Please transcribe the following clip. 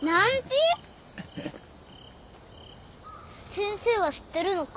先生は知ってるのか？